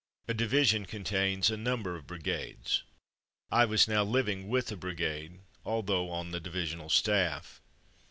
A division con tains a number of brigades. I was now liv ing with a brigade although on the divisional staff.